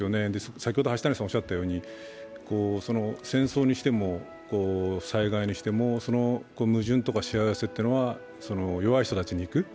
先ほど橋谷さんがおっしゃったように、戦争にしても災害にしてもその矛盾とかしわ寄せというのは弱い人たちにいく。